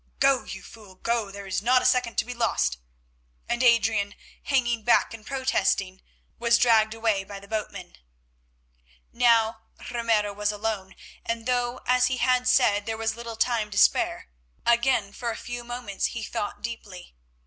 Go, you fool, go, there is not a second to be lost," and Adrian, hanging back and protesting, was dragged away by the boatmen. Now Ramiro was alone, and though, as he had said, there was little time to spare, again for a few moments he thought deeply.